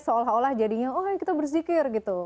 seolah olah jadinya oh kan kita berzikir gitu